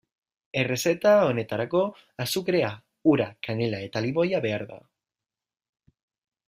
Errezeta honetarako azukrea, ura, kanela eta limoia behar da.